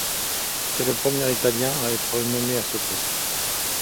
C’était le premier Italien à être nommé à ce poste.